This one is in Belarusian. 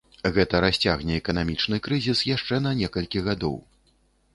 Гэта расцягне эканамічны крызіс яшчэ на некалькі гадоў.